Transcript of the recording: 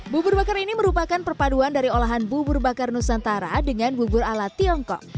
bubur bakar ini merupakan perpaduan dari olahan bubur bakar nusantara dengan bubur ala tiongkok